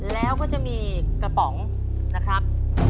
แล้วก็จะมีกระป๋องนะครับ